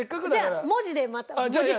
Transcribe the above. じゃあ文字でまた文字数？